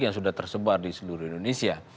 yang sudah tersebar di seluruh indonesia